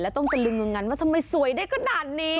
ต้องตะลึงตรงนั้นว่าทำไมสวยได้ขนาดนี้